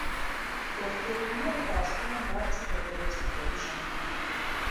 Պորֆիրինները դասվում են բարձր հետերոցիկլերի շարքին։